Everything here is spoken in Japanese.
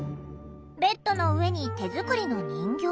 ベッドの上に手作りの人形。